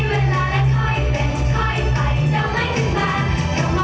ตัวนั้นสิ่งใช่ไหมต้องอย่าลืมมัน